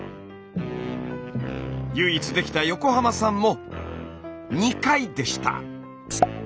唯一できた横浜さんも２回でした。